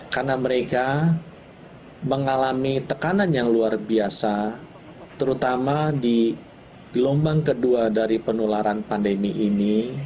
karena mereka mengalami tekanan yang luar biasa terutama di gelombang kedua dari penularan pandemi ini